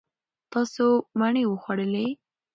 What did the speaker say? تاسو مڼې وخوړلې.